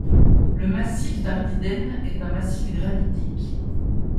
Le massif d'Ardiden est un massif granitique.